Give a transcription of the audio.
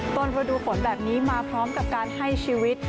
ฤดูฝนแบบนี้มาพร้อมกับการให้ชีวิต